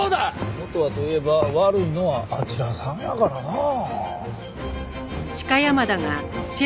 元はといえば悪いのはあちらさんやからなあ。